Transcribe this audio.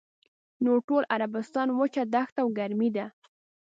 نور ټول عربستان وچه دښته او ګرمي ده.